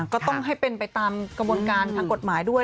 ก็ต้องให้เป็นไปตามกระบวนการทางกฎหมายด้วย